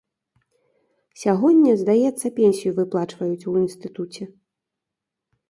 Сягоння, здаецца, пенсію выплачваюць у інстытуце.